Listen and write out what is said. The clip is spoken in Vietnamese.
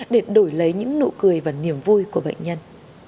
để đổi lấy những nụ cười và niềm vui của bệnh nhân